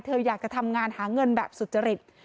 เธออยากจะทำงานหาเงินแบบสุจริต